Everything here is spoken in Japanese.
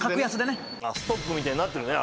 ＳＴＯＰみたいになってるね